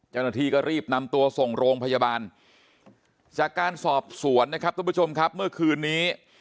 เจ้าหน้าที่ก็รีบนำตัวส่งโรงพยาบาลจากการสอบสวนนะครับทุกผู้ชมครับเมื่อคืนนี้